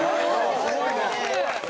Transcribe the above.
「すごい！」